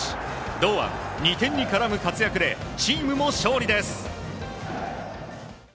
堂安、２点に絡む活躍で、チームも勝利です。